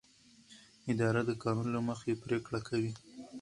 اداره د قانون له مخې پریکړه کوي.